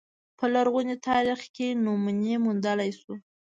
په لرغوني تاریخ کې نمونې موندلای شو